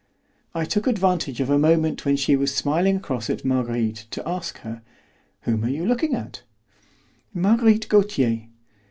I took advantage of a moment when she was smiling across at Marguerite to ask her, "Whom are you looking at?" "Marguerite Gautier."